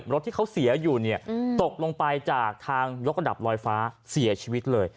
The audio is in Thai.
รถที่เขาเสียอยู่เนี่ยตกลงไปจากทางยกระดับลอยฟ้าเสียชีวิตเลย